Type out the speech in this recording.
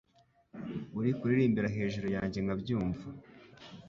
Uri kuririmbira hejuru yanjye nkabyumva